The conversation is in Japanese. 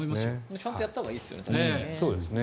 ちゃんとやったほうがいいですよね。